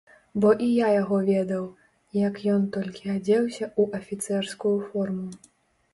Бо і я яго ведаў, як ён толькі адзеўся ў афіцэрскую форму.